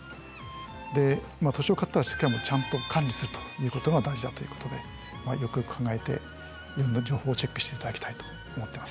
土地を買ったらちゃんと管理するということが大事だということでよくよく考えていろんな情報をチェックして頂きたいと思ってます。